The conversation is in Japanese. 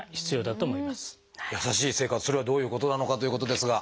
それはどういうことなのかということですが。